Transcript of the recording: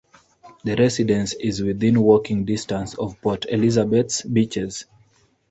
The residence is within walking distance of Port Elizabeth's beaches.